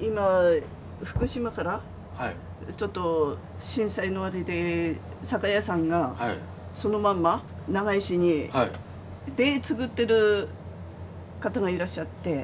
今福島からちょっと震災のあれで酒屋さんがそのまま長井市で造ってる方がいらっしゃって。